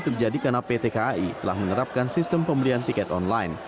terjadi karena pt kai telah menerapkan sistem pembelian tiket online